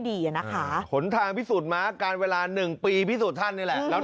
ดีอ่ะนะคะหนทางพิสูจน์ม้าการเวลา๑ปีพิสูจน์ท่านนี่แหละแล้ว